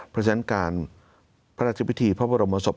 เพราะฉะนั้นการพระราชพิธีพระบรมศพ